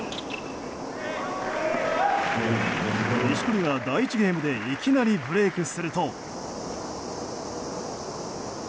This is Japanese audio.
錦織は第１ゲームでいきなりブレークすると。